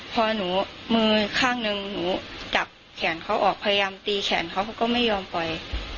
พอหนูมือข้างหนึ่งหนูจับแขนเขาออกพยายามตีแขนเขาเขาก็ไม่ยอมปล่อย